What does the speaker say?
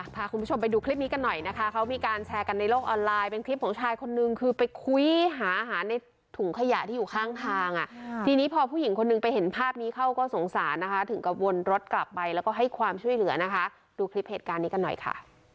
พาคุณผู้ชมไปดูคลิปนี้กันหน่อยนะคะเขามีการแชร์กันในโลกออนไลน์เป็นคลิปของชายคนนึงคือไปคุยหาอาหารในถุงขยะที่อยู่ข้างทางอ่ะทีนี้พอผู้หญิงคนนึงไปเห็นภาพนี้เขาก็สงสารนะคะถึงกับวนรถกลับไปแล้วก็ให้ความช่วยเหลือนะคะดูคลิปเหตุการณ์นี้กันหน่อยค่ะ